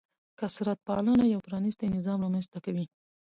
کثرت پالنه یو پرانیستی نظام رامنځته کوي.